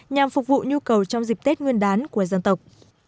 nhằm phục vụ nhu cầu trong dịp tết nguyên đán của dân tộc